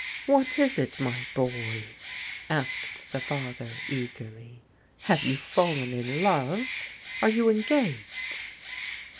"What is it, my boy?" asked the father eagerly. " Have you fallen in love? Are you engaged?